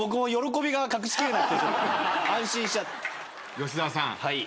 吉沢さん